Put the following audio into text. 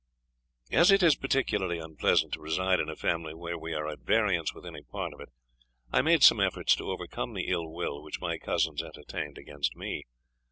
As it is particularly unpleasant to reside in a family where we are at variance with any part of it, I made some efforts to overcome the ill will which my cousins entertained against me.